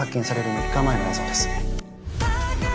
３日前の映像です。